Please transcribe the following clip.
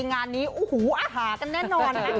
งานนี้อาหารกันแน่นอน